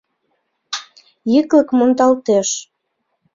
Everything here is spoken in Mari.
— Йыклык мондалтеш.